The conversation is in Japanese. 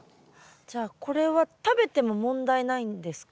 じゃあこれは食べても問題ないんですか？